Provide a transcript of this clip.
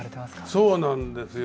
そうなんですよ。